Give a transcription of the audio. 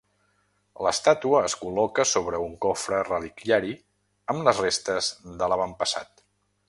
L'estàtua es col·loca sobre un cofre reliquiari amb les restes de l'avantpassat.